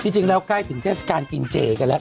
จริงแล้วใกล้ถึงเทศกาลกินเจกันแล้ว